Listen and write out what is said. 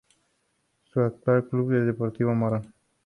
Su actual club es Deportivo Morón.